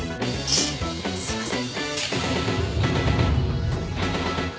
すいません。